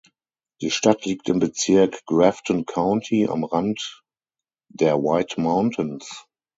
Die Stadt liegt im Bezirk Grafton County am Rand der White Mountains.